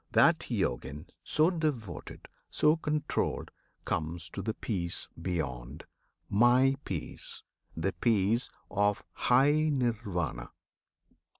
That Yojin, so devoted, so controlled, Comes to the peace beyond, My peace, the peace Of high Nirvana!